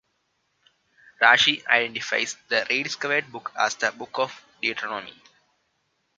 Rashi identifies the rediscovered book as the Book of Deuteronomy.